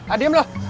ah diam loh